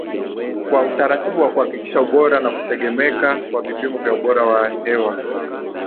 kwa utaratibu wa kuhakikisha ubora na kutegemeka kwa vipimo vya ubora wa hewa